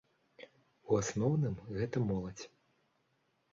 У асноўным гэта моладзь.